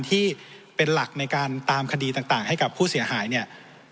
ที่เป็นหลักในการตามคดีต่างให้กับผู้เสียหายเนี่ย